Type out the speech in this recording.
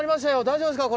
大丈夫ですか？